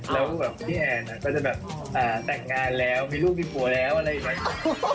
แล้วแบบพี่แอนก็จะแบบแต่งงานแล้วมีลูกมีผัวแล้วอะไรอย่างนี้